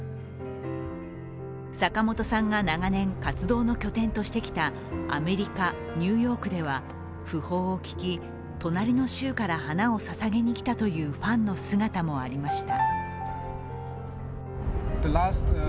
坂本さんが長年、活動の拠点としてきたアメリカ・ニューヨークでは、訃報を聞き、隣の州から花をささげに来たというファンの姿もありました。